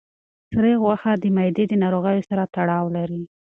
سرې غوښه د معدې د ناروغیو سره تړاو لري.